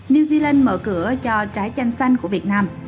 new zealand mở cửa cho trái xanh của việt nam